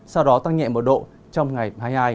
sau đó tăng nhẹ một độ trong ngày hai mươi hai